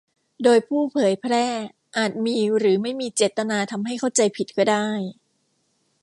โดยผู้เผยแพร่อาจมีหรือไม่มีเจตนาทำให้เข้าใจผิดก็ได้